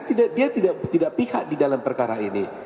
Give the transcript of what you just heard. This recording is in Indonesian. dia tidak pihak di dalam perkara ini